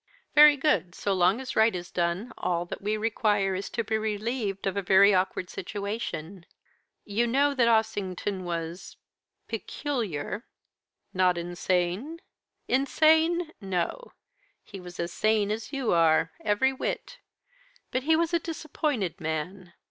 "'Very good; so long as right is done, all that we require is to be relieved of a very awkward situation. You know that Ossington was peculiar?' "'Not insane?' "'Insane? No; he was as sane as you are every whit. But he was a disappointed man.